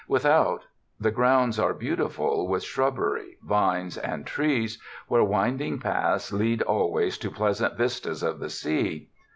Without, the grounds are beautiful with shrubbery, vines and trees, where winding paths lead always to pleasant vistas of the sea.